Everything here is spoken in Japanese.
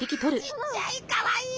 ちっちゃいかわいい！